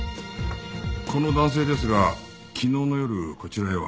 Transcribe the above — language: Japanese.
この男性ですが昨日の夜こちらへは？